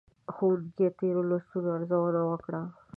ښوونکي تېرو لوستونو ارزونه وکړه.